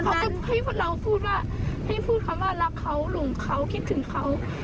เขาก็ให้เราพูดว่าให้พูดคำว่ารักเขาหลงเขาคิดถึงเขา